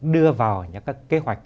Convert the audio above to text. đưa vào những kế hoạch